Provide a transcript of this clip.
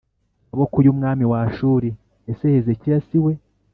maboko y umwami wa Ashuri Ese Hezekiya si we